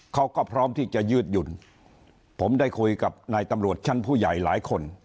เขาก็พร้อมที่จะยืดหยุ่นผมได้คุยกับนายตำรวจชั้นผู้ใหญ่หลายคน